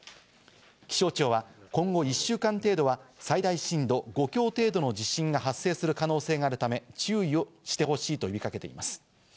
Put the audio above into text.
気象庁は今後１週間程度は最大震度５強程度の地震が発生する可能性があるため注意をしてほしいと呼びかけています。